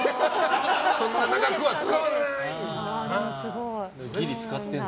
そん長くは使わないんだ。